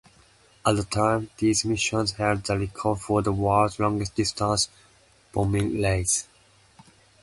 At the time, these missions held the record for the world's longest-distance bombing raids.